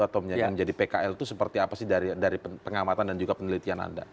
atau menjadi pkl itu seperti apa sih dari pengamatan dan juga penelitian anda